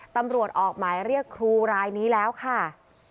ตำรวจออกหมายเรียกครูรายนี้แล้วค่ะ